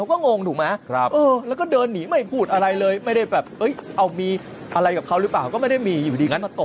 ก็งงถูกไหมแล้วก็เดินหนีไม่พูดอะไรเลยไม่ได้แบบเอามีอะไรกับเขาหรือเปล่าก็ไม่ได้มีอยู่ดีงั้นมาตก